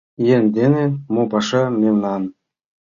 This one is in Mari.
Еҥ дене мо паша мемнан!»